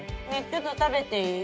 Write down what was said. ちょっと食べていい？